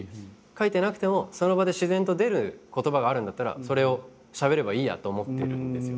書いてなくてもその場で自然と出る言葉があるんだったらそれをしゃべればいいやと思ってるんですよ。